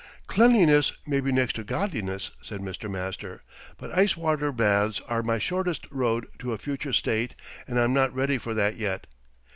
"Cleanliness may be next to godliness," said Mr. Master, "but ice water baths are my shortest road to a future state, and I'm not ready for that yet.